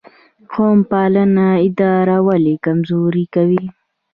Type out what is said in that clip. قوم پالنه اداره ولې کمزورې کوي؟